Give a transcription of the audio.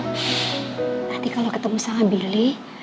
nanti kalau ketemu sama billy